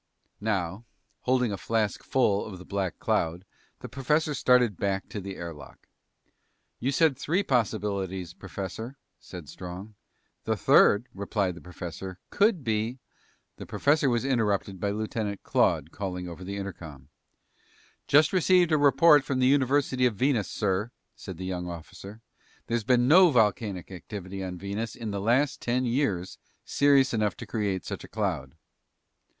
Now, holding a flask full of the black cloud, the professor started back to the air lock. "You said three possibilities, professor," said Strong. "The third," replied the professor, "could be " The professor was interrupted by Lieutenant Claude calling over the intercom. "Just received a report from the University of Venus, sir!" said the young officer. "There's been no volcanic activity on Venus in the last ten years serious enough to create such a cloud."